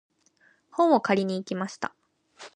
本を借りに行きました。